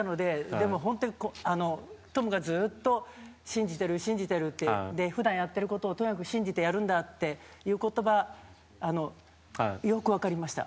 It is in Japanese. でも、トムがずっと信じてる、信じてるって普段やってることをとにかく信じてやるんだっていうのがよく分かりました。